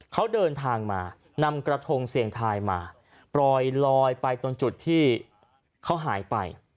เขาเดินทางมานำกระทงเสี่ยงทายมาปล่อยลอยไปตรงจุดที่เขาหายไป